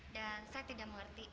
dan saya tidak mengerti